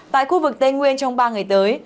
tại khu vực tây nguyên trong ba ngày tới